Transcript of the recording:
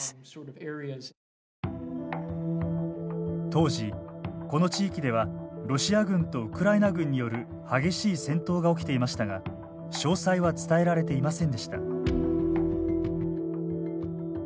当時この地域ではロシア軍とウクライナ軍による激しい戦闘が起きていましたが詳細は伝えられていませんでした。